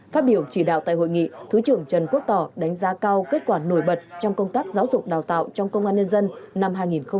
phát biểu chỉ đạo tại hội nghị thứ trưởng trần quốc tỏ đánh giá cao kết quả nổi bật trong công tác giáo dục đào tạo trong công an nhân dân năm hai nghìn hai mươi ba